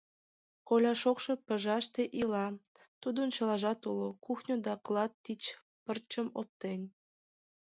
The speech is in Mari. Коля шокшо пыжашыште ила, тудын чылажат уло: кухньо да клат тич пырчым оптен.